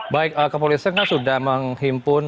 baik kepolisian sudah menghimpun